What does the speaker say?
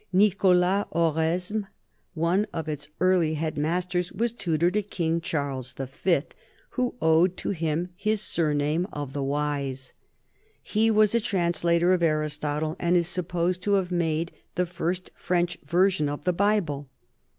Nicolas Oresme, one of its early head masters, was tutor to King Charles V., who owed to him his surname of " The Wise." He was a translator of Aristotle, and is supposed to have made the first French version of the Bible.